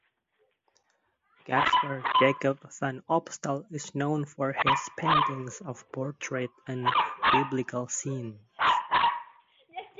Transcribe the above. Gaspar Jacob van Opstal is known for his paintings of portraits and biblical scenes.